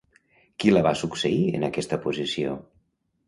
Qui la va succeir en aquesta posició?